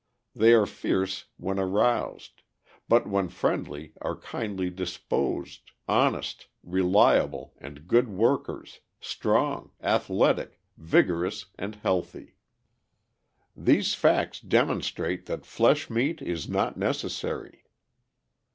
They are fierce when aroused, but when friendly are kindly disposed, honest, reliable and good workers, strong, athletic, vigorous, and healthy. These facts demonstrate that flesh meat is not necessary.